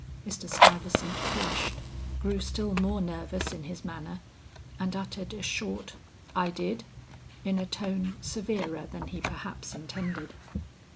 Mr. Stuyvesant flushed, grew still more nervous in his manner and uttered a short, "I did," in a tone severer than he perhaps intended.